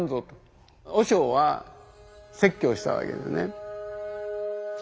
和尚は説教したわけですね。